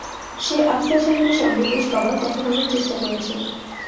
সে আফসার সাহেবের সঙ্গে বেশ ক বার কথা বলার চেষ্টা করেছে।